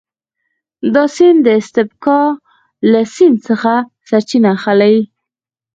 دا سیند د اتبسکا له سیند څخه سرچینه اخلي.